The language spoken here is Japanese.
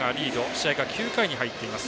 試合が９回に入っています。